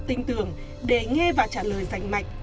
tinh tưởng đề nghe và trả lời dành mạnh